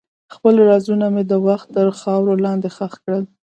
خپل رازونه مې د وخت تر خاورو لاندې ښخ کړل.